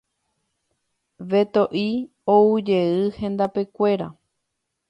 Beto'i oujey hendapekuéra.